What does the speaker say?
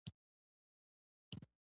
افغانستان کې د ګڼو قومونو خلک اوسیږی